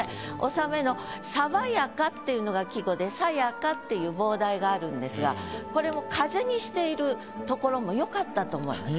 収めの「さわやか」っていうのが季語で「さやか」っていう傍題があるんですがこれも「風」にしているところも良かったと思います。